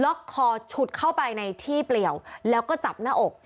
คอฉุดเข้าไปในที่เปลี่ยวแล้วก็จับหน้าอก